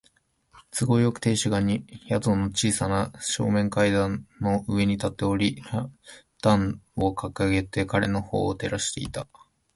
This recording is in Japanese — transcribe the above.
都合よく、亭主が宿の小さな正面階段の上に立っており、ランタンをかかげて彼のほうを照らしていた。